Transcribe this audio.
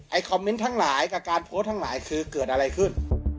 คอมเมนต์ทั้งหลายกับการโพสต์ทั้งหลายคือเกิดอะไรขึ้น